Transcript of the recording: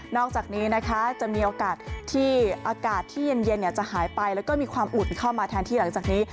อกจากนี้นะคะจะมีโอกาสที่อากาศที่เย็นจะหายไปแล้วก็มีความอุ่นเข้ามาแทนที่หลังจากนี้